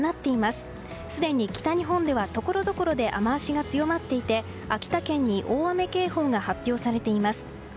すでに北日本ではところどころで雨脚が強まっていて秋田県に大雨警報が発表されています。